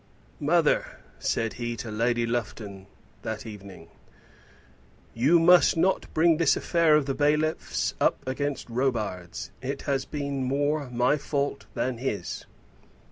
"Mother," said he to Lady Lufton that evening, "you must not bring this affair of the bailiffs up against Robarts. It has been more my fault than his."